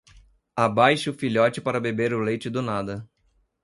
Abaixe o filhote para beber o leite do nada.